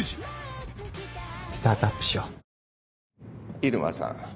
入間さん。